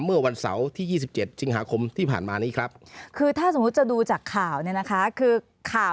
เมื่อวันเสาร์ที่๒๗สิงหาคมที่ผ่านมานี้ครับคือถ้าสมมุติจะดูจากข่าวเนี่ยนะคะคือข่าว